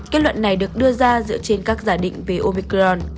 kết luận này được đưa ra dựa trên các giả định về opecron